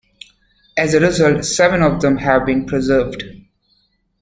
As a result, seven of them have been preserved.